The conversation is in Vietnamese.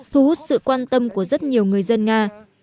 thu hút sự quan tâm của rất nhiều người dân nga